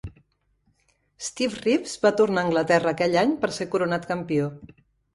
Steve Reeves va tornar a Anglaterra aquell any per ser coronat campió.